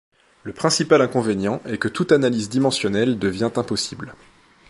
Le principal inconvénient est que toute analyse dimensionnelle devient impossible.